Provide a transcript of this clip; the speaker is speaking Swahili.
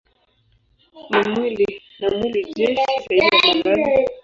Na mwili, je, si zaidi ya mavazi?